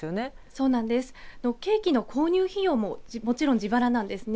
そうなんです、ケーキの購入費用ももちろん自腹なんですね。